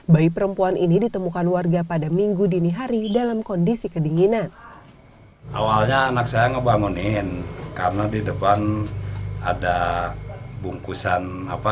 bayi perempuan ini ditemukan warga pada minggu dini hari dalam kondisi kedinginan